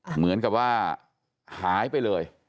เหมือนกับว่าหายไปเลย